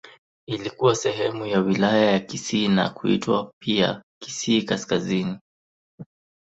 Ilikuwa sehemu ya Wilaya ya Kisii na kuitwa pia Kisii Kaskazini.